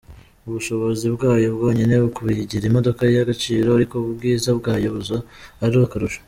Ubushobozi bwayo bwonyine buyigira imodoka y’agaciro, ariko ubwiza bwayo buza ari akarusho.